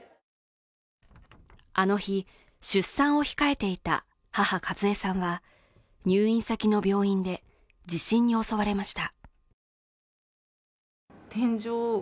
あの日、出産を控えていた母和枝さんは、入院先の病院で地震に襲われました。